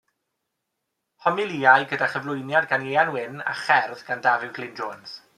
Homilïau gyda chyflwyniad gan Ieuan Wyn a cherdd gan Dafydd Glyn Jones.